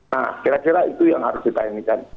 nah kira kira itu yang harus kita inikan